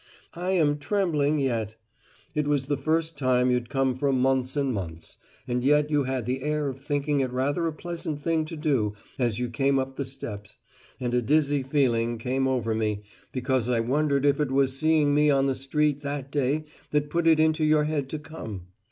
I am trembling yet. It was the first time you'd come for months and months; and yet you had the air of thinking it rather a pleasant thing to do as you came up the steps! And a dizzy feeling came over me, because I wondered if it was seeing me on the street that day that put it into your head to come.